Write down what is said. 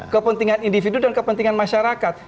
kepentingan individu dan kepentingan masyarakat